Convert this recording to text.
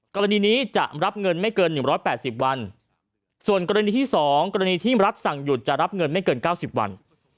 กรณีนี้จะรับเงินไม่เกิน๑๘๐วันส่วนกรณีที่๒กรณีที่รัฐสั่งหยุดจะรับเงินไม่เกิน๙๐วัน